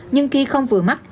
nhưng khi không vừa mắt